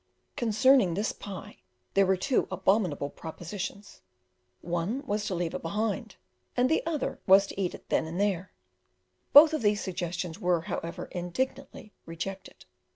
Concerning this pie there were two abominable propositions; one was to leave it behind, and the other was to eat it then and there: both of these suggestions were, however, indignantly rejected.